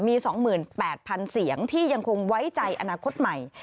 มี๒๘๐๐๐เสียงที่ยังคงไว้ใจอนาคตใหม่